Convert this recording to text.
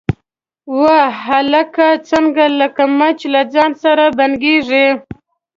_وه هلکه، څنګه لکه مچ له ځان سره بنګېږې؟